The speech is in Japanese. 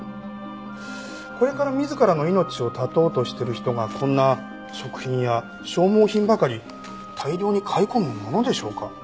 これから自らの命を絶とうとしてる人がこんな食品や消耗品ばかり大量に買い込むものでしょうか？